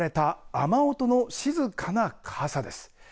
雨音の静かな傘です。